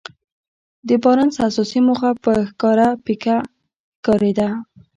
د بارنس اساسي موخه په ښکاره پيکه ښکارېده.